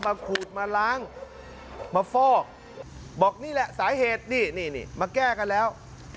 ขูดมาล้างมาฟอกบอกนี่แหละสาเหตุนี่นี่มาแก้กันแล้ว